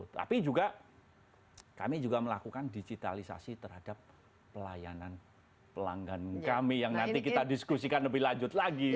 tapi juga kami juga melakukan digitalisasi terhadap pelayanan pelanggan kami yang nanti kita diskusikan lebih lanjut lagi